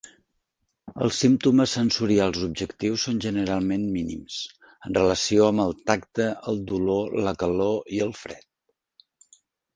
Els símptomes sensorials objectius són generalment mínims, en relació amb el tacte, el dolor, la calor i el fred.